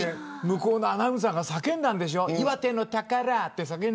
向こうのアナウンサーが叫んだんでしょ、岩手の宝って。